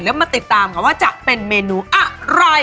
แล้วมาติดตามค่ะว่าจะเป็นเมนูอะไร